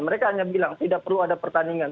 mereka hanya bilang tidak perlu ada pertandingan